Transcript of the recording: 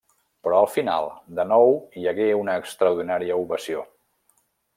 Però al final, de nou hi hagué una extraordinària ovació.